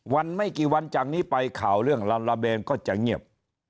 ไม่กี่วันจากนี้ไปข่าวเรื่องลาลาเบนก็จะเงียบ